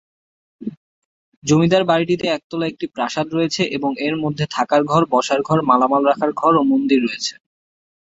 জমিদার বাড়িটিতে একতলা একটি প্রাসাদ রয়েছে এবং এর মধ্যে থাকার ঘর, বসার ঘর, মালামাল রাখার ঘর ও মন্দির রয়েছে।